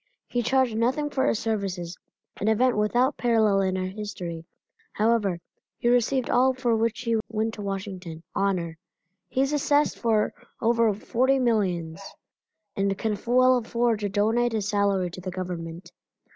He charged nothing for his services, an event without parallel in our history, however, he received all for which he went to Washington honor. He is assessed for over forty millions, and can well afford to donate his salary to the Government.